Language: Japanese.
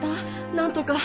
なんとか。